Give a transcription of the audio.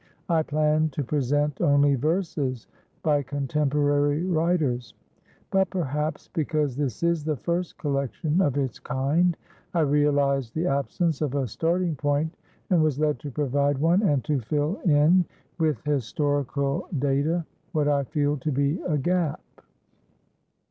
I planned to present only verses by contemporary writers; but, perhaps, because this is the first collection of its kind, I realized the absence of a starting point and was led to provide one and to fill in with historical data what I felt to be a gap.